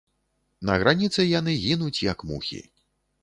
На граніцы яны гінуць як мухі.